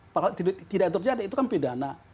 kalau tidak terjadi itu kan pidana